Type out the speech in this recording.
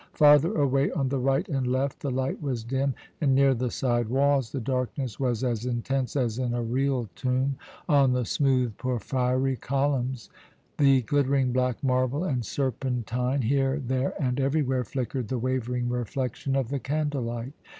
Farther away, on the right and left, the light was dim, and near the side walls the darkness was as intense as in a real tomb. On the smooth porphyry columns, the glittering black marble and serpentine here, there, and everywhere flickered the wavering reflection of the candlelight.